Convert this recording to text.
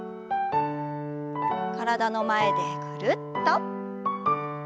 体の前でぐるっと。